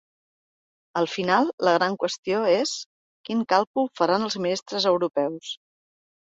Al final la gran qüestió és quin càlcul faran els ministres europeus.